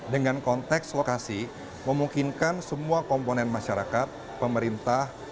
dengan konteks lokasi memungkinkan semua komponen masyarakat pemerintah